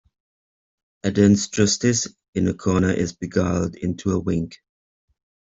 A dense justice in a corner is beguiled into a wink.